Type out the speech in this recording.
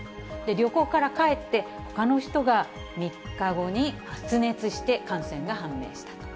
旅行から帰って、ほかの人が３日後に発熱して感染が判明したと。